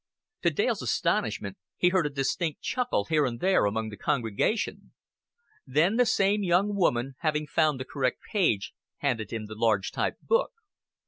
To Dale's astonishment, he heard a distinct chuckle here and there among the congregation. Then the same young woman, having found the correct page, handed him the large type book.